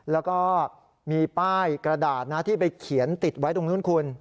แล้วก็มีป้ายกระดาษนะที่ไปเขียนติดไว้ตรงนู้นคุณ